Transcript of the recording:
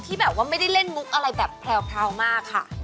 แบบว่าไม่ได้เล่นมุกอะไรแบบแพรวมากค่ะ